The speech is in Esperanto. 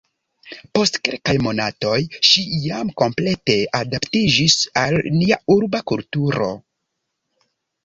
Post kelkaj monatoj, ŝi jam komplete adaptiĝis al nia urba kulturo.